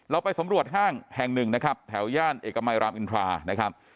เราไปสำรวจห้างแห่งหนึ่งนะครับแถวย่านเอกมัยรามอินทรานะครับ